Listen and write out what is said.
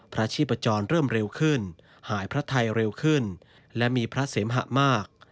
ชีพจรเริ่มเร็วขึ้นหายพระไทยเร็วขึ้นและมีพระเสมหะมาก